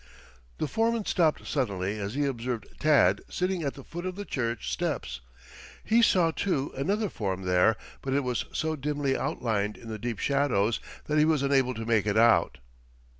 The foreman stopped suddenly as he observed Tad sitting at the foot of the church steps. He saw, too, another form there, but it was so dimly outlined in the deep shadows that he was unable to make it out.